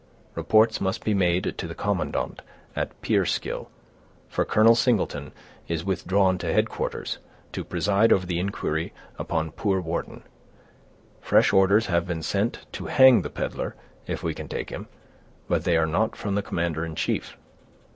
Reports must be made to the commandant at Peekskill, for Colonel Singleton is withdrawn to headquarters, to preside over the inquiry upon poor Wharton. Fresh orders have been sent to hang the peddler if we can take him, but they are not from the commander in chief.